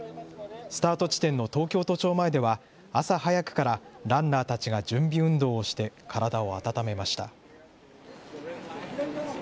スタート地点の東京都庁前では朝早くからランナーたちが準備運動をして体を温めました。